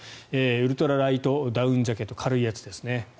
ウルトラライトダウンジャケット軽いやつですね。